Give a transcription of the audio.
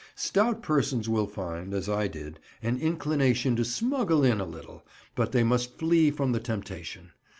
Stout persons will find, as I did, an inclination to smuggle in a little, but they must flee from the temptation.